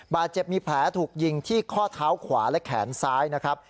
บาดเจ็บมีแผลถูกยิงที่ข้อเท้าขวาและแขนซ้ายนะครับ